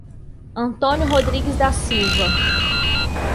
Antônio Rodrigues da Silva